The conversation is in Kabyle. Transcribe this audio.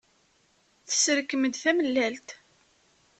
Tesserkem-d tamellalt.